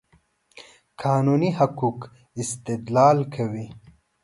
قانوني حقوقو استدلال کوي.